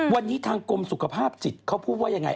วันนี้ทางกรมสุขภาพจิตเขาพูดว่ายังไง